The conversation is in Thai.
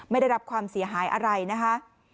ไม่ได้รับความเสียหายอะไรนะคะ